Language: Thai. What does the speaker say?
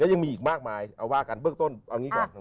แล้วยังมีอีกมากมายเอาบ้ากันเบิ๊คต้นเอางี้ก่อน